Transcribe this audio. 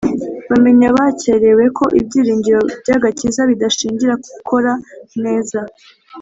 Bamenya bakerewe ko ibyiringiro by'agakiza bidashingira ku gukora neza.